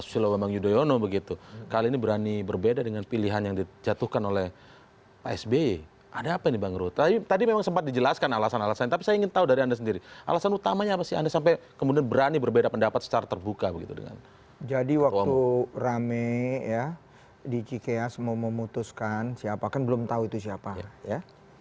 jadi waktu rame ya di cikeas mau memutuskan siapa kan belum tahu itu siapa ya